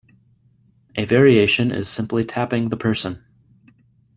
A variation is simply tapping the person.